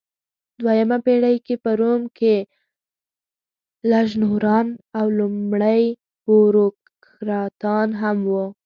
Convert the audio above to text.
دویمه پېړۍ کې په روم کې لژنونران او لومړۍ بوروکراتان هم وو.